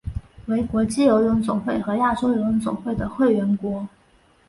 为国际游泳总会和亚洲游泳总会的会员国。